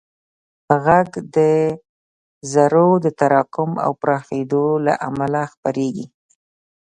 غږ د ذرّو د تراکم او پراخېدو له امله خپرېږي.